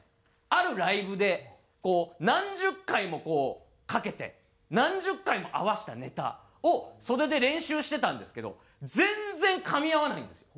あるライブで何十回もこうかけて何十回も合わせたネタを袖で練習してたんですけど全然かみ合わないんですよ。